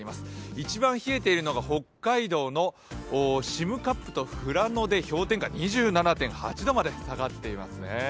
一番冷えているのが北海道の占冠と富良野で、氷点下２７．８度まで下がっていますね。